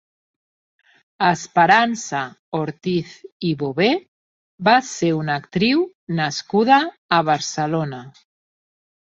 Esperança Ortiz i Bover va ser una actriu nascuda a Barcelona.